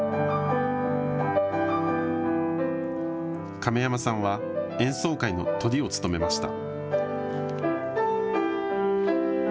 亀山さんは演奏会のトリを務めました。